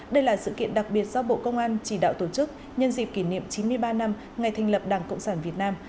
đây là sự kiện đặc biệt do bộ công an chỉ đạo tổ chức nhân dịp kỷ niệm chín mươi ba năm ngày thành lập đảng cộng sản việt nam